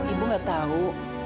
ibu nggak tahu